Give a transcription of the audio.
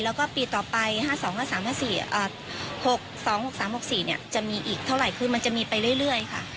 แล้วก็ปีต่อไป๕๒๕๓๕๔๖๒๖๓๖๔จะมีอีกเท่าไหร่คือมันจะมีไปเรื่อยค่ะ